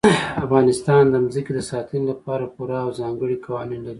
افغانستان د ځمکه د ساتنې لپاره پوره او ځانګړي قوانین لري.